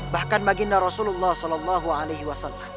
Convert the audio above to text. bahkan baginda rasulullah saw